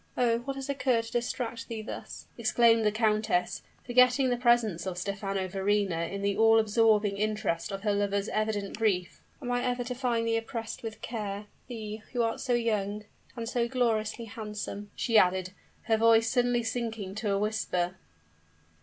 "Oh! what has occurred to distract thee thus?" exclaimed the countess, forgetting the presence of Stephano Verrina in the all absorbing interest of her lover's evident grief. "Am I ever to find thee oppressed with care thee, who art so young and so gloriously handsome?" she added, her voice suddenly sinking to a whisper.